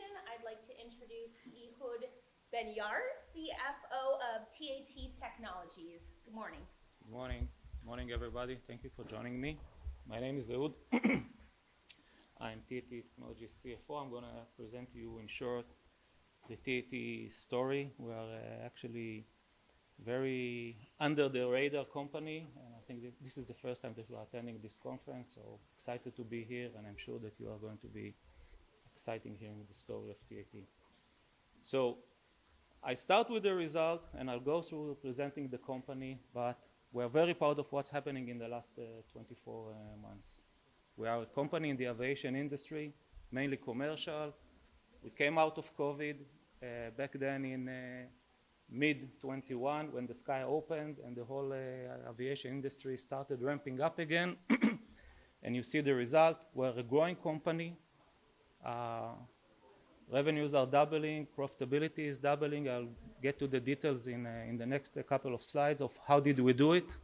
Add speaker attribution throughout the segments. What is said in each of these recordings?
Speaker 1: Good morning, everyone. We're going to get started with our next presentation. I'd like to introduce Ehud Ben-Yair, CFO of TAT Technologies. Good morning.
Speaker 2: Good morning. Good morning, everybody. Thank you for joining me. My name is Ehud. I am TAT Technologies' CFO. I'm going to present to you in short the TAT story. We are actually very under the radar company, and I think this is the first time that we are attending this conference, so excited to be here, and I'm sure that you are going to be excited hearing the story of TAT, so I start with the result, and I'll go through presenting the company, but we're very proud of what's happening in the last 24 months. We are a company in the aviation industry, mainly commercial. We came out of COVID back then in mid-2021 when the sky opened and the whole aviation industry started ramping up again, and you see the result. We're a growing company. Revenues are doubling. Profitability is doubling. I'll get to the details in the next couple of slides of how did we do it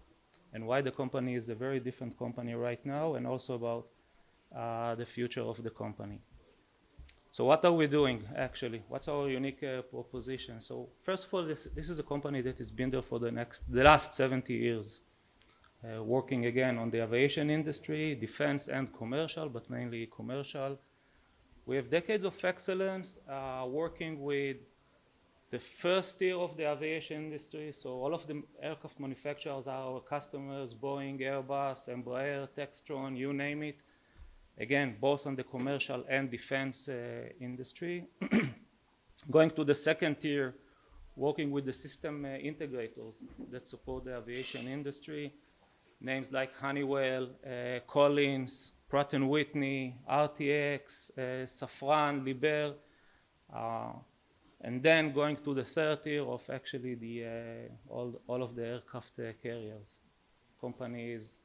Speaker 2: and why the company is a very different company right now, and also about the future of the company. So what are we doing, actually? What's our unique proposition? So first of all, this is a company that has been there for the last 70 years, working again on the aviation industry, defense, and commercial, but mainly commercial. We have decades of excellence working with the first tier of the aviation industry. So all of the aircraft manufacturers are our customers: Boeing, Airbus, Embraer, Textron, you name it. Again, both on the commercial and defense industry. Going to the second tier, working with the system integrators that support the aviation industry. Names like Honeywell, Collins, Pratt & Whitney, RTX, Safran, Liebherr. And then going to the third tier of actually all of the air carriers, companies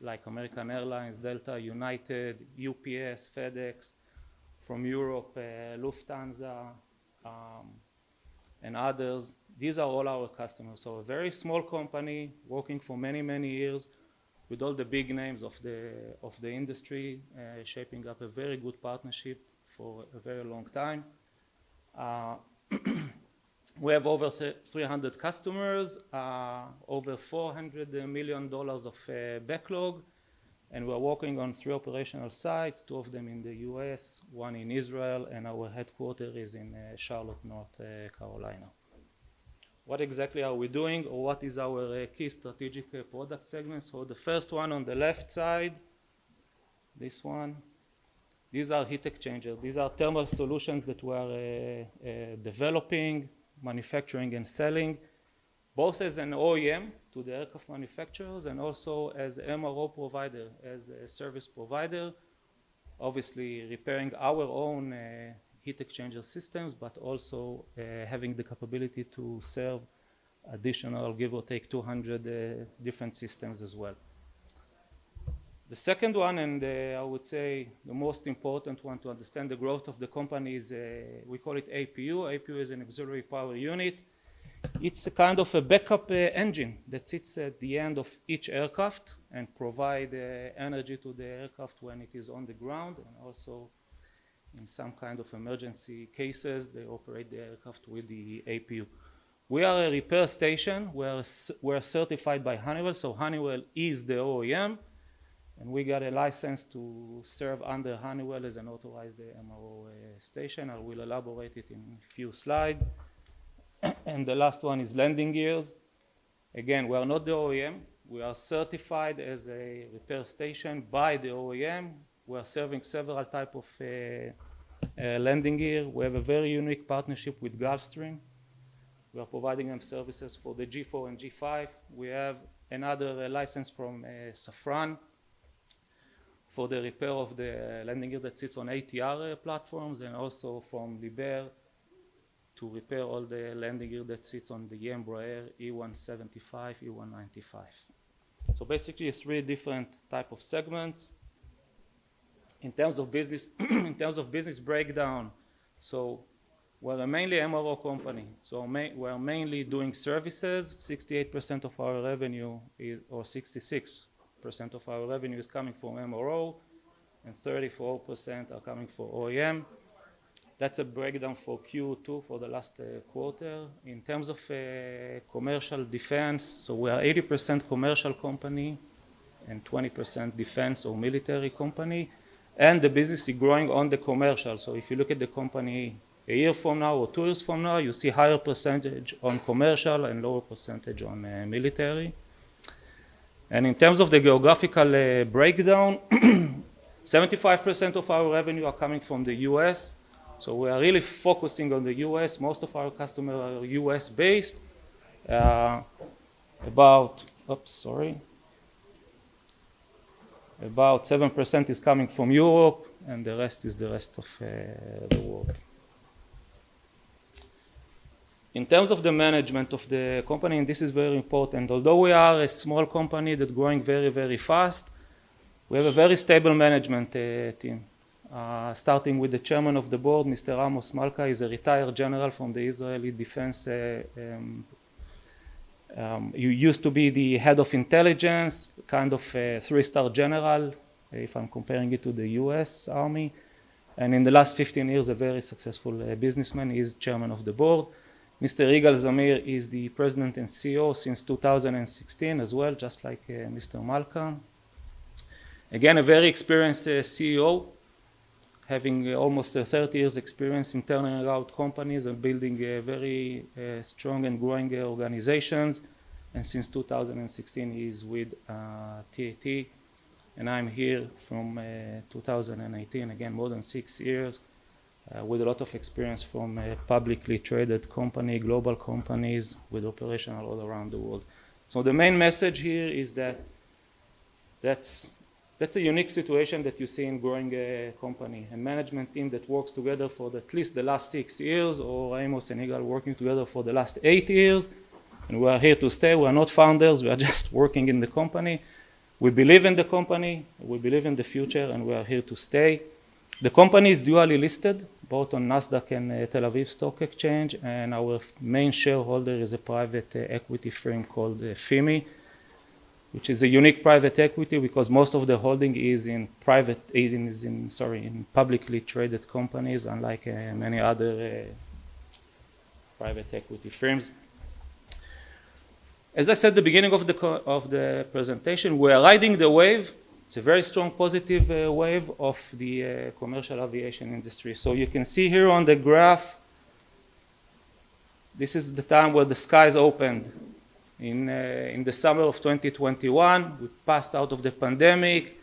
Speaker 2: like American Airlines, Delta, United, UPS, FedEx, from Europe, Lufthansa, and others. These are all our customers. So a very small company working for many, many years with all the big names of the industry, shaping up a very good partnership for a very long time. We have over 300 customers, over $400 million of backlog, and we're working on three operational sites, two of them in the U.S., one in Israel, and our headquarters is in Charlotte, North Carolina. What exactly are we doing or what is our key strategic product segments? So the first one on the left side, this one, these are heat exchangers. These are thermal solutions that we are developing, manufacturing, and selling, both as an OEM to the aircraft manufacturers and also as an MRO provider, as a service provider, obviously repairing our own heat exchanger systems, but also having the capability to serve additional, give or take, 200 different systems as well. The second one, and I would say the most important one to understand the growth of the company is we call it APU. APU is an auxiliary power unit. It's a kind of a backup engine that sits at the end of each aircraft and provides energy to the aircraft when it is on the ground. And also in some kind of emergency cases, they operate the aircraft with the APU. We are a repair station. We're certified by Honeywell. Honeywell is the OEM, and we got a license to serve under Honeywell as an authorized MRO station. I will elaborate it in a few slides. The last one is landing gears. Again, we are not the OEM. We are certified as a repair station by the OEM. We're serving several types of landing gear. We have a very unique partnership with Gulfstream. We're providing them services for the G4 and G5. We have another license from Safran for the repair of the landing gear that sits on ATR platforms and also from Liebherr to repair all the landing gear that sits on the Embraer E175, E195. Basically three different types of segments. In terms of business breakdown, we're mainly an MRO company. We're mainly doing services. 68% of our revenue, or 66% of our revenue, is coming from MRO, and 34% are coming from OEM. That's a breakdown for Q2 for the last quarter. In terms of commercial defense, so we are an 80% commercial company and 20% defense or military company. And the business is growing on the commercial. So if you look at the company a year from now or two years from now, you see a higher percentage on commercial and a lower percentage on military. And in terms of the geographical breakdown, 75% of our revenue is coming from the U.S. So we are really focusing on the U.S. Most of our customers are U.S.-based. About seven% is coming from Europe, and the rest is the rest of the world. In terms of the management of the company, and this is very important, although we are a small company that is growing very, very fast, we have a very stable management team. Starting with the Chairman of the Board, Mr. Amos Malka, he's a retired general from the Israeli defense. He used to be the head of intelligence, kind of a three-star general if I'm comparing it to the U.S. Army, and in the last 15 years, a very successful businessman; he's Chairman of the Board. Mr. Igal Zamir is the President and CEO since 2016 as well, just like Mr. Malka. Again, a very experienced CEO, having almost 30 years' experience internal and out companies and building very strong and growing organizations, and since 2016, he's with TAT. And I'm here from 2018, again, more than six years, with a lot of experience from publicly traded companies, global companies with operations all around the world. So the main message here is that that's a unique situation that you see in a growing company. A management team that works together for at least the last six years, or Amos and Igal working together for the last eight years. And we're here to stay. We're not founders. We're just working in the company. We believe in the company. We believe in the future, and we're here to stay. The company is dual listed both on NASDAQ and Tel Aviv Stock Exchange, and our main shareholder is a private equity firm called FIMI, which is a unique private equity because most of the holding is in publicly traded companies, unlike many other private equity firms. As I said at the beginning of the presentation, we are riding the wave. It's a very strong positive wave of the commercial aviation industry. So you can see here on the graph, this is the time where the skies opened in the summer of 2021. We passed out of the pandemic.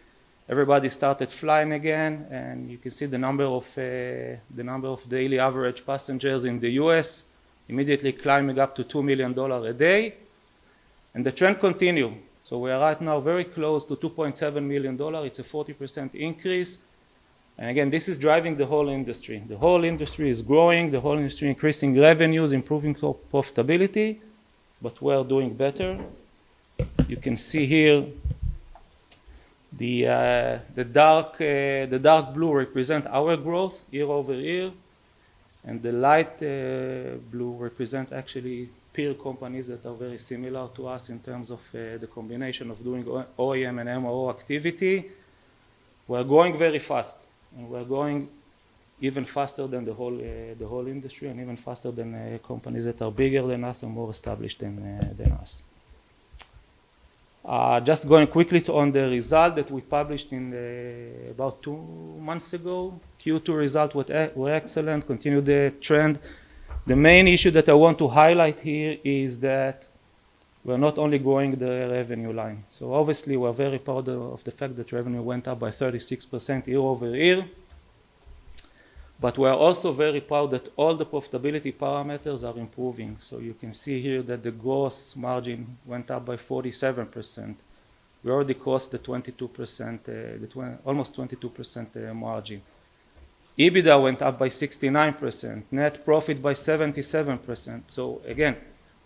Speaker 2: Everybody started flying again. And you can see the number of daily average passengers in the U.S. immediately climbing up to $2 million a day. And the trend continues. So we are right now very close to $2.7 million. It's a 40% increase. And again, this is driving the whole industry. The whole industry is growing. The whole industry is increasing revenues, improving profitability, but we're doing better. You can see here the dark blue represents our growth year over year, and the light blue represents actually peer companies that are very similar to us in terms of the combination of doing OEM and MRO activity. We're growing very fast, and we're growing even faster than the whole industry and even faster than companies that are bigger than us or more established than us. Just going quickly on the result that we published about two months ago, Q2 result was excellent, continued the trend. The main issue that I want to highlight here is that we're not only growing the revenue line. So obviously, we're very proud of the fact that revenue went up by 36% year over year, but we're also very proud that all the profitability parameters are improving. So you can see here that the gross margin went up by 47%. We already crossed the almost 22% margin. EBITDA went up by 69%, net profit by 77%. So again,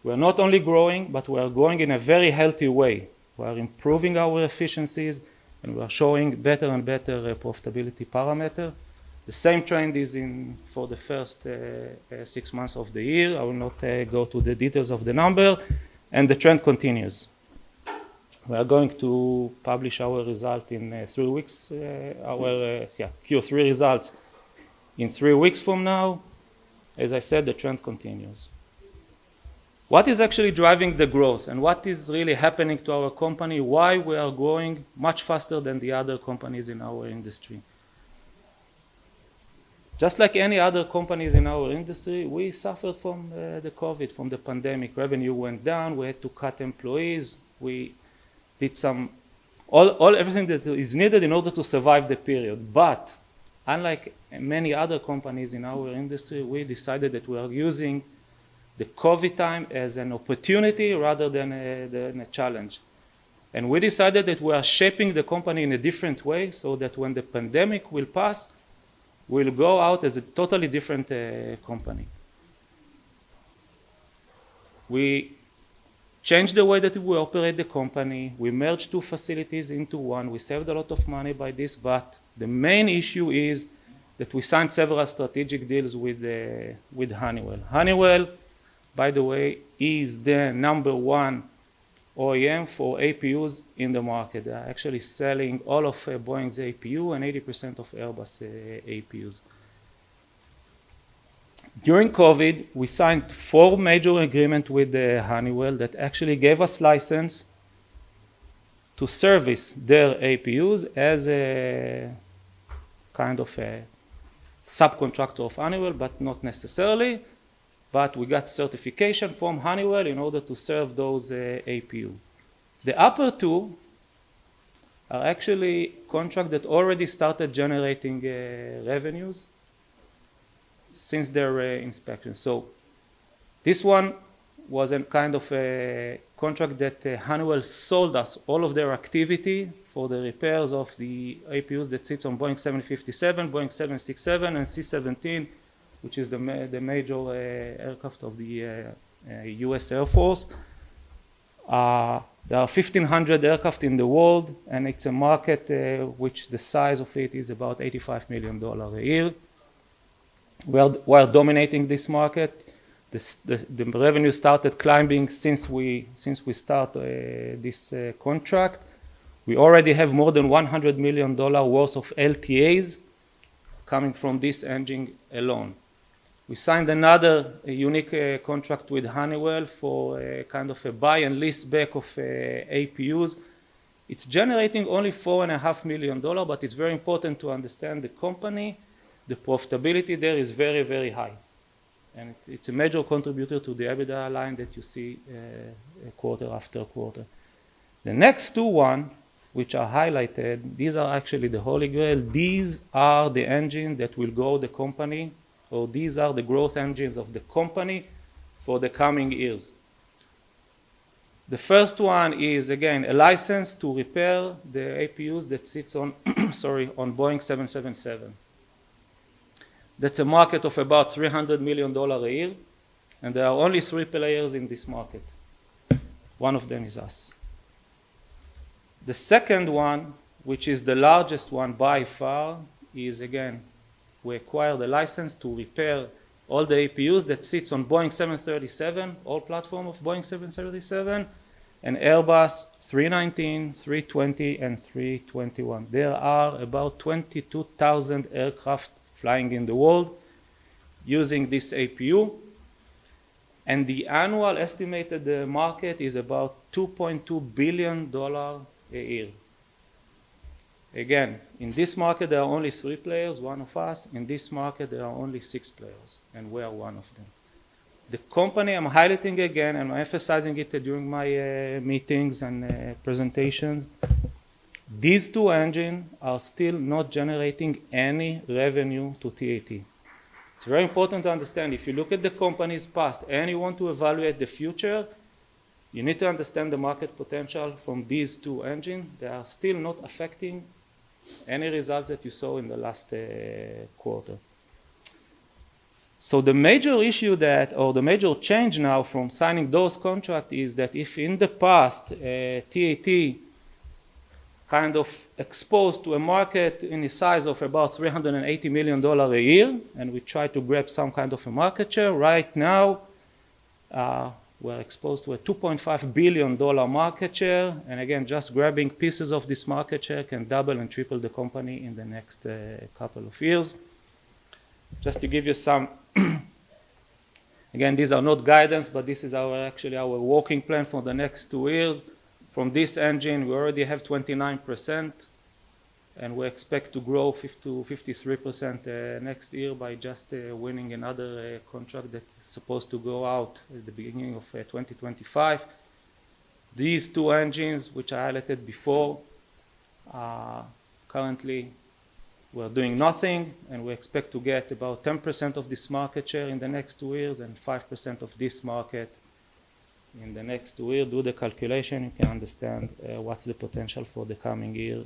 Speaker 2: we're not only growing, but we're growing in a very healthy way. We're improving our efficiencies, and we're showing better and better profitability parameters. The same trend is for the first six months of the year. I will not go to the details of the number, and the trend continues. We are going to publish our result in three weeks, our Q3 results in three weeks from now. As I said, the trend continues. What is actually driving the growth and what is really happening to our company, why we are growing much faster than the other companies in our industry? Just like any other companies in our industry, we suffered from the COVID, from the pandemic. Revenue went down. We had to cut employees. We did everything that is needed in order to survive the period. But unlike many other companies in our industry, we decided that we are using the COVID time as an opportunity rather than a challenge. And we decided that we are shaping the company in a different way so that when the pandemic will pass, we'll go out as a totally different company. We changed the way that we operate the company. We merged two facilities into one. We saved a lot of money by this, but the main issue is that we signed several strategic deals with Honeywell. Honeywell, by the way, is the number one OEM for APUs in the market. They're actually selling all of Boeing's APU and 80% of Airbus APUs. During COVID, we signed four major agreements with Honeywell that actually gave us license to service their APUs as a kind of subcontractor of Honeywell, but not necessarily, but we got certification from Honeywell in order to serve those APUs. The upper two are actually contracts that already started generating revenues since their inception, so this one was a kind of a contract that Honeywell sold us all of their activity for the repairs of the APUs that sit on Boeing 757, Boeing 767, and C-17, which is the major aircraft of the U.S. Air Force. There are 1,500 aircraft in the world, and it's a market which the size of it is about $85 million a year. We are dominating this market. The revenue started climbing since we started this contract. We already have more than $100 million worth of LTAs coming from this engine alone. We signed another unique contract with Honeywell for kind of a buy and lease back of APUs. It's generating only $4.5 million, but it's very important to understand the company. The profitability there is very, very high. And it's a major contributor to the EBITDA line that you see quarter after quarter. The next two ones, which are highlighted, these are actually the Holy Grail. These are the engines that will grow the company, or these are the growth engines of the company for the coming years. The first one is, again, a license to repair the APUs that sits on, sorry, on Boeing 777. That's a market of about $300 million a year, and there are only three players in this market. One of them is us. The second one, which is the largest one by far, is, again, we acquired a license to repair all the APUs that sit on Boeing 737, all platform of Boeing 737, and Airbus 319, 320, and 321. There are about 22,000 aircraft flying in the world using this APU, and the annual estimated market is about $2.2 billion a year. Again, in this market, there are only three players, one of us. In this market, there are only six players, and we are one of them. The company I'm highlighting again, and I'm emphasizing it during my meetings and presentations, these two engines are still not generating any revenue to TAT. It's very important to understand. If you look at the company's past and you want to evaluate the future, you need to understand the market potential from these two engines. They are still not affecting any results that you saw in the last quarter, so the major issue that, or the major change now from signing those contracts is that if in the past TAT kind of exposed to a market in the size of about $380 million a year, and we tried to grab some kind of a market share, right now we're exposed to a $2.5 billion market share, and again, just grabbing pieces of this market share can double and triple the company in the next couple of years. Just to give you some, again, these are not guidance, but this is actually our working plan for the next two years. From this engine, we already have 29%, and we expect to grow to 53% next year by just winning another contract that is supposed to go out at the beginning of 2025. These two engines, which I highlighted before, currently we're doing nothing, and we expect to get about 10% of this market share in the next two years and 5% of this market in the next two years. Do the calculation, you can understand what's the potential for the coming year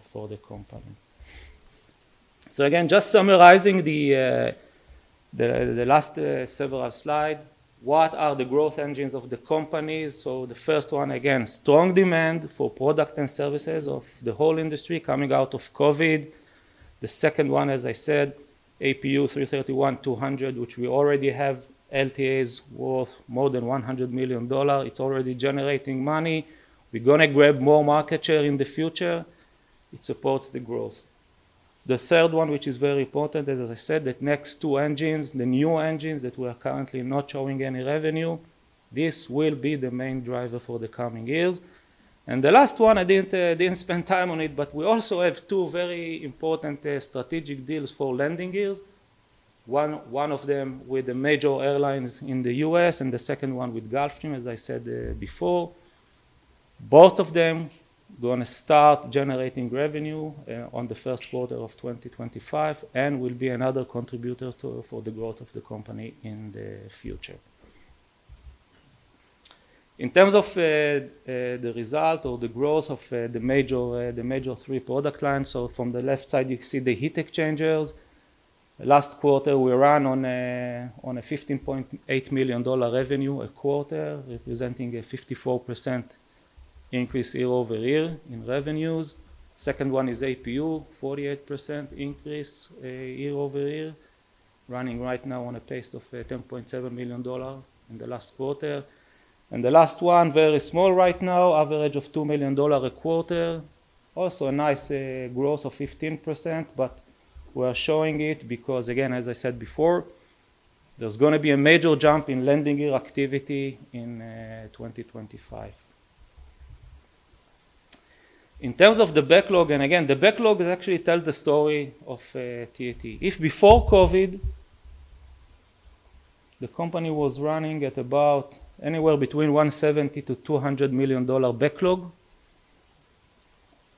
Speaker 2: for the company. So again, just summarizing the last several slides, what are the growth engines of the companies? So the first one, again, strong demand for product and services of the whole industry coming out of COVID. The second one, as I said, APU 331-200, which we already have LTAs worth more than $100 million. It's already generating money. We're going to grab more market share in the future. It supports the growth. The third one, which is very important, as I said, that next two engines, the new engines that we are currently not showing any revenue, this will be the main driver for the coming years. And the last one, I didn't spend time on it, but we also have two very important strategic deals for landing gears. One of them with the major airlines in the US and the second one with Gulfstream, as I said before. Both of them are going to start generating revenue on the Q1 of 2025 and will be another contributor for the growth of the company in the future. In terms of the result or the growth of the major three product lines, so from the left side, you see the heat exchangers. Last quarter, we ran on a $15.8 million revenue a quarter, representing a 54% increase year over year in revenues. Second one is APU, 48% increase year over year, running right now on a pace of $10.7 million in the last quarter. The last one, very small right now, average of $2 million a quarter. Also a nice growth of 15%, but we're showing it because, again, as I said before, there's going to be a major jump in landing gear activity in 2025. In terms of the backlog, the backlog actually tells the story of TAT. If before COVID, the company was running at about anywhere between $170 million-$200 million backlog,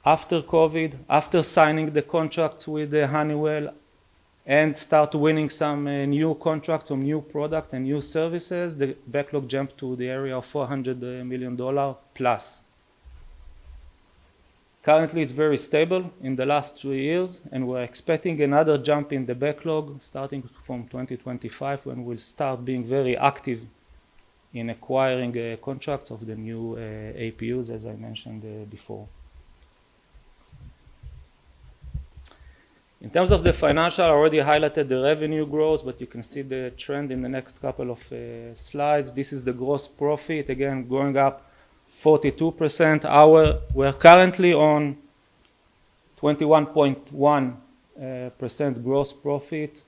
Speaker 2: after COVID, after signing the contracts with Honeywell and starting winning some new contracts from new products and new services, the backlog jumped to the area of $400 million plus. Currently, it's very stable in the last three years, and we're expecting another jump in the backlog starting from 2025 when we'll start being very active in acquiring contracts of the new APUs, as I mentioned before. In terms of the financial, I already highlighted the revenue growth, but you can see the trend in the next couple of slides. This is the gross profit, again, growing up 42%. We're currently on 21.1% gross profit.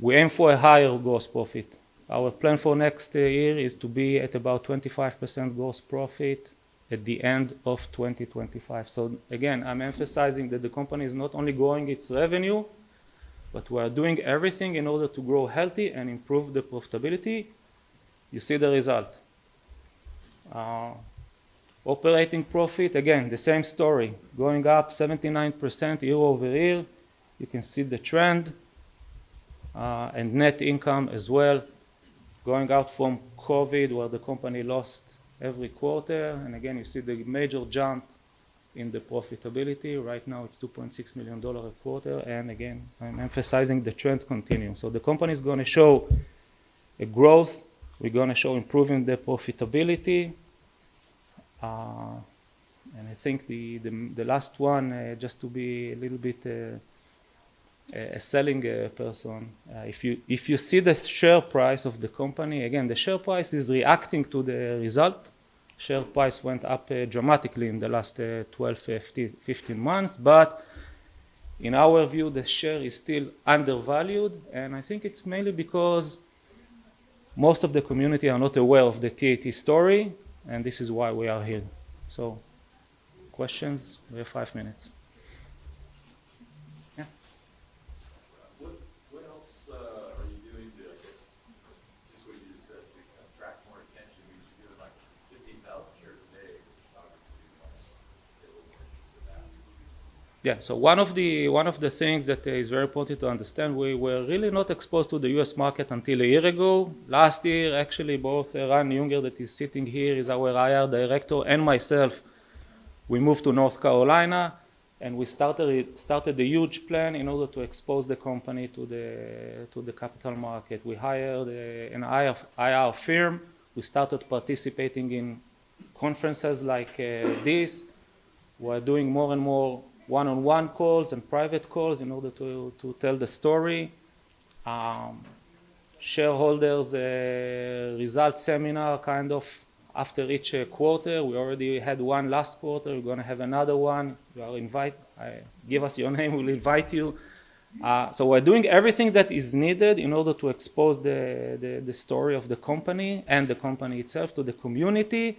Speaker 2: We aim for a higher gross profit. Our plan for next year is to be at about 25% gross profit at the end of 2025. So again, I'm emphasizing that the company is not only growing its revenue, but we are doing everything in order to grow healthy and improve the profitability. You see the result. Operating profit, again, the same story, going up 79% year over year. You can see the trend and net income as well. Going out from COVID, where the company lost every quarter, and again, you see the major jump in the profitability. Right now, it's $2.6 million a quarter, and again, I'm emphasizing the trend continues. So the company is going to show a growth. We're going to show improving the profitability. And I think the last one, just to be a little bit a selling person, if you see the share price of the company, again, the share price is reacting to the result. Share price went up dramatically in the last 12, 15 months, but in our view, the share is still undervalued. And I think it's mainly because most of the community are not aware of the TAT story, and this is why we are here. So questions, we have five minutes.
Speaker 3: Yeah. What else are you doing to, I guess, just what you said, to attract more attention? You're doing like 50,000 shares a day, which obviously makes people more interested in that.
Speaker 2: Yeah. So one of the things that is very important to understand, we were really not exposed to the US market until a year ago. Last year, actually, both Eran Yunger that is sitting here is our IR director and myself. We moved to North Carolina, and we started a huge plan in order to expose the company to the capital market. We hired an IR firm. We started participating in conferences like this. We're doing more and more one-on-one calls and private calls in order to tell the story. Shareholders' result seminar kind of after each quarter. We already had one last quarter. We're going to have another one. Give us your name. We'll invite you. So we're doing everything that is needed in order to expose the story of the company and the company itself to the community.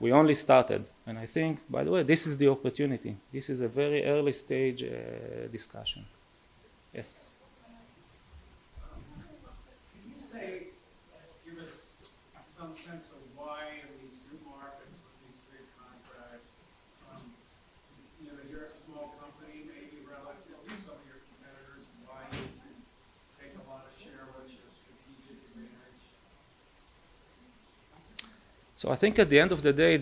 Speaker 2: We only started. And I think, by the way, this is the opportunity. This is a very early stage discussion. Yes.
Speaker 3: Can you say, give us some sense of why in these new markets with these great contracts? You're a small company, maybe relatively to some of your competitors. Why do you take a lot of share with your strategic advantage?
Speaker 2: So I think at the end of the day,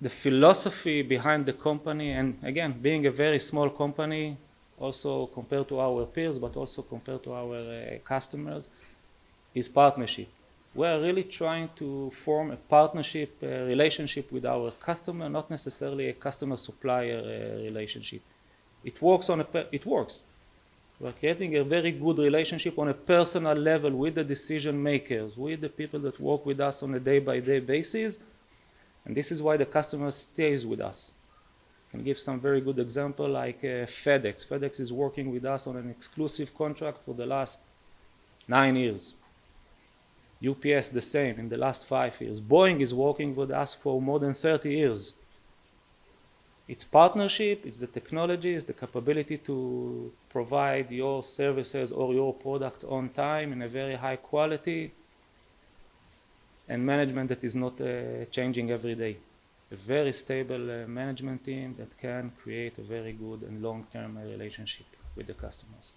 Speaker 2: the philosophy behind the company, and again, being a very small company, also compared to our peers, but also compared to our customers, is partnership. We're really trying to form a partnership relationship with our customer, not necessarily a customer-supplier relationship. It works. We're creating a very good relationship on a personal level with the decision-makers, with the people that work with us on a day-by-day basis. And this is why the customer stays with us. I can give some very good examples like FedEx. FedEx is working with us on an exclusive contract for the last nine years. UPS, the same, in the last five years. Boeing is working with us for more than 30 years. It's partnership. It's the technology. It's the capability to provide your services or your product on time in a very high quality and management that is not changing every day. A very stable management team that can create a very good and long-term relationship with the customers.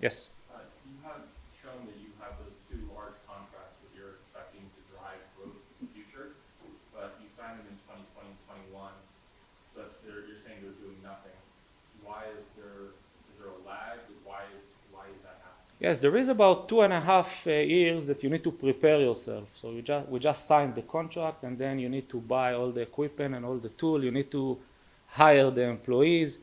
Speaker 2: Yes.
Speaker 3: You have shown that you have those two large contracts that you're expecting to drive growth in the future, but you signed them in 2020 and 2021.
Speaker 2: But you're saying they're doing nothing. Why is there a lag? Why is that happening? Yes. There is about two and a half years that you need to prepare yourself. So we just signed the contract, and then you need to buy all the equipment and all the tools. You need to hire the employees.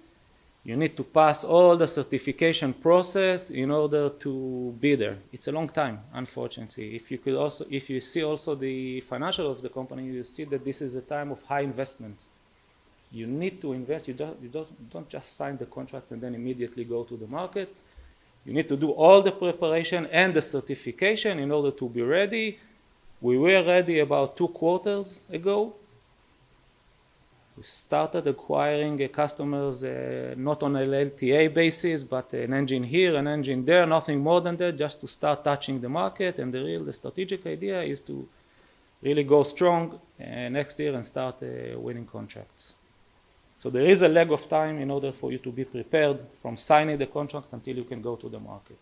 Speaker 2: You need to pass all the certification process in order to be there. It's a long time, unfortunately. If you see also the financials of the company, you see that this is a time of high investments. You need to invest. You don't just sign the contract and then immediately go to the market. You need to do all the preparation and the certification in order to be ready. We were ready about two quarters ago. We started acquiring customers not on an LTA basis, but an engine here, an engine there, nothing more than that, just to start touching the market. And the real strategic idea is to really go strong next year and start winning contracts. So there is a lag of time in order for you to be prepared from signing the contract until you can go to the market.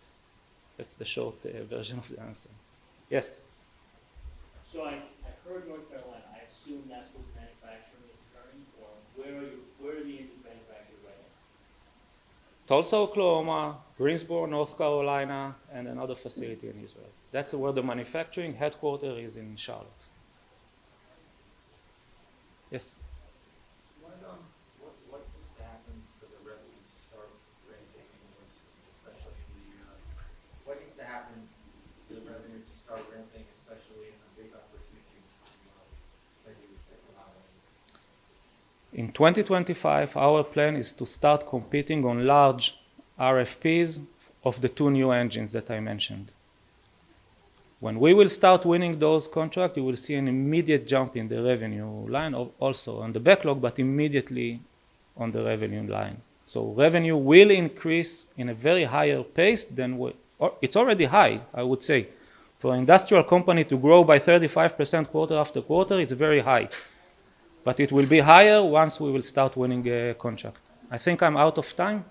Speaker 2: That's the short version of the answer. Yes.
Speaker 3: So I heard North Carolina. I assume that's where the manufacturing is occurring. Where are the independent manufacturers right now?
Speaker 2: Tulsa, Oklahoma, Greensboro, North Carolina, and another facility in Israel. That's where the manufacturing headquarters is in Charlotte. Yes.
Speaker 3: What needs to happen for the revenue to start ramping in, especially in the year? What needs to happen for the revenue to start ramping, especially in a big opportunity like you're talking about?
Speaker 2: In 2025, our plan is to start competing on large RFPs of the two new engines that I mentioned. When we will start winning those contracts, you will see an immediate jump in the revenue line, also on the backlog, but immediately on the revenue line. So revenue will increase in a very higher pace than it's already high, I would say. For an industrial company to grow by 35% quarter after quarter, it's very high. But it will be higher once we will start winning a contract. I think I'm out of time.